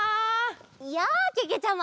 やあけけちゃま！